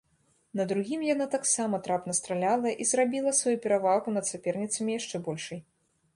На другім яна таксама трапна страляла і зрабіла сваю перавагу над саперніцамі яшчэ большай.